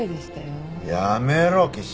やめろ岸本！